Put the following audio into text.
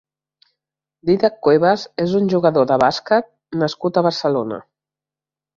Dídac Cuevas és un jugador de bàsquet nascut a Barcelona.